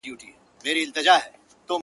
بوډا ویل په دې قلا کي به سازونه کېدل٫